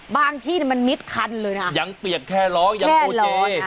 บ้านที่มันมิดคันเลยนะยังเปียกแค่ร้องแค่โอเจแค่ร้อนค่ะอืม